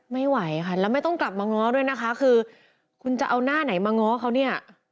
ไม่ไหวค่ะแล้วไม่ต้องกลับมาง้อด้วยนะคะคือคุณจะเอาหน้าไหนมาง้อเขาเนี่ย